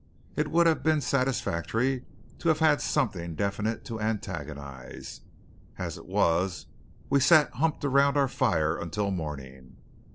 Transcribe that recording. It would have been satisfactory to have had something definite to antagonize. As it was, we sat humped around our fire until morning.